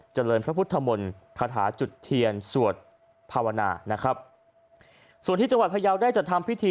เจริญพระพุทธมนต์คาถาจุดเทียนสวดภาวนานะครับส่วนที่จังหวัดพยาวได้จัดทำพิธี